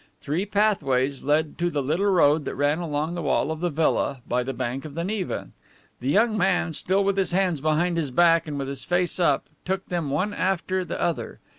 Three pathways led to the little road that ran along the wall of the villa by the bank of the Neva. The young man, still with his hands behind his back and with his face up, took them one after the other.